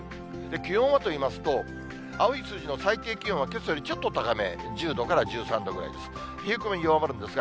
気温はといいますと、青い数字の最低気温はけさよりちょっと高め、１０度から１３度ぐらいです。